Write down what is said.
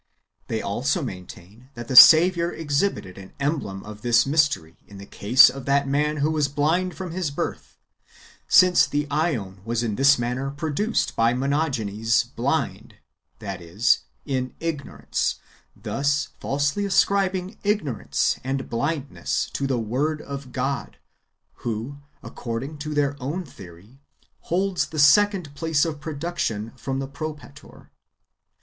They also maintain that the Saviour exhibited an emblem of this mystery in the case of that man who was blind from his birth,^ since the ^on was in this manner produced by Monogenes blind, that is, in ignorance, thus falsely ascribing ignorance and blindness to the Word of God, wdio, according to their own theory, holds the second [place of] production from the Propator.